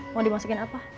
mau dimasakin apa